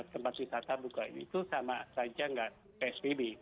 tempat wisata buka ini itu sama saja nggak psbb